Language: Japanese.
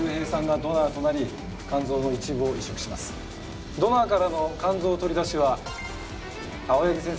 ドナーからの肝臓取り出しは青柳先生のチーム。